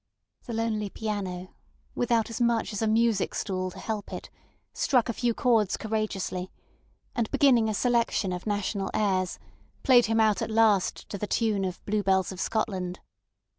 The lonely piano, without as much as a music stool to help it, struck a few chords courageously, and beginning a selection of national airs, played him out at last to the tune of "Blue Bells of Scotland."